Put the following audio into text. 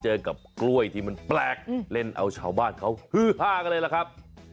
เจอกับกล้วยที่มันแปลกเล่นเอาชาวบ้านเขาฮือฮากันเลยล่ะครับ